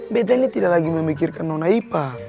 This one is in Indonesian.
bete ini tidak lagi memikirkan nona ipa